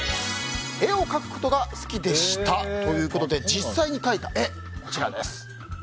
絵を描くことが好きでしたということで実際に描いた絵がこちらです。